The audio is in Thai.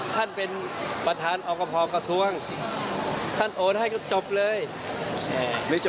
คุณสมมุติเทพสุธินไงพ๋น